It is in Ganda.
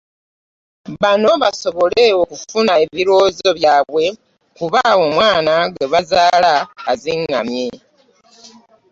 Bano basobole okufuna ebirowoozo byabwe kuba omwana gwe bazaala azingamye.